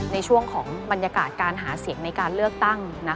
ในช่วงของบรรยากาศการหาเสียงในการเลือกตั้ง